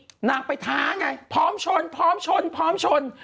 นางไปท้าไงพร้อมชนพร้อมชนพร้อมชน